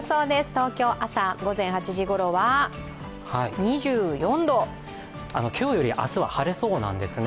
東京、朝午前８時ごろは今日より明日は晴れそうなんですね。